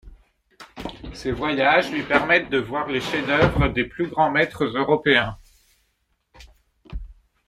Ce voyage lui permet de voir les chefs-d'œuvre des grands maîtres européens.